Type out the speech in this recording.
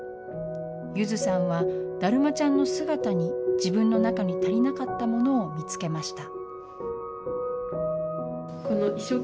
ゆずさんは、だるまちゃんの姿に自分の中に足りなかったものを見つけました。